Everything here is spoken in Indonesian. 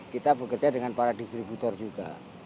kita bekerja dengan para distributor juga